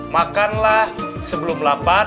makanlah sebelum lapar